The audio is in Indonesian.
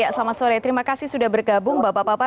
selamat sore terima kasih sudah bergabung bapak bapak